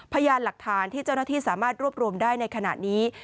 พยานหลักฐานที่เจ้าหน้าที่สามารถรวบรวมได้ในขณะนี้